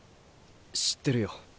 知ってるよ。